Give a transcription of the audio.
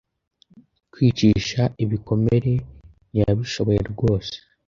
Kwicisha ibikomere ntiyabishoboye rwose